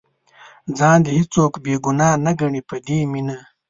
ځان دې هېڅوک بې ګناه نه ګڼي په دې مینه.